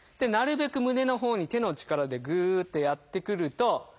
なるべく胸のほうに手の力でぐってやってくると。